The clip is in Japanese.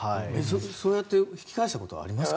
そうやって引き返したことはありますか？